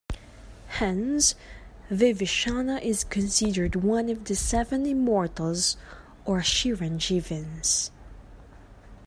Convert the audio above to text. Hence, Vibhishana is considered one of the seven immortals or Chiranjeevins.